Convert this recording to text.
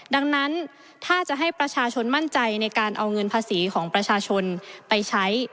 ดังนั้นถ้าจะให้ประชาชนมั่นใจในการเอาเงินภาษีของประชาชนไปใช้